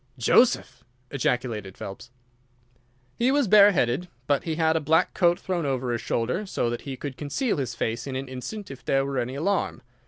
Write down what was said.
"Joseph!" ejaculated Phelps. "He was bare headed, but he had a black coat thrown over his shoulder so that he could conceal his face in an instant if there were any alarm.